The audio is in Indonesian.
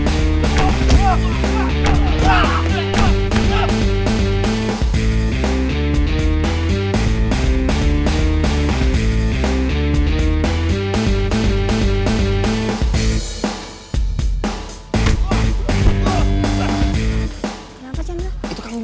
itu kamu dulu